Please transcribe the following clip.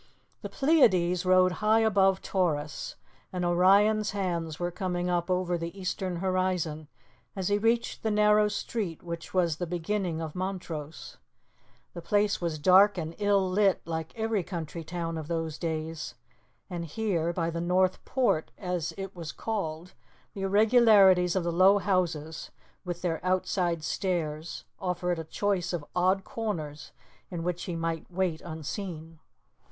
The Pleiades rode high above Taurus, and Orion's hands were coming up over the eastern horizon as he reached the narrow street which was the beginning of Montrose. The place was dark and ill lit, like every country town of those days; and here, by the North Port, as it was called, the irregularities of the low houses, with their outside stairs, offered a choice of odd corners in which he might wait unseen.